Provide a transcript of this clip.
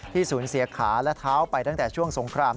สูญเสียขาและเท้าไปตั้งแต่ช่วงสงคราม